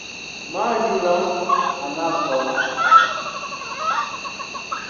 Manĝu la... anason.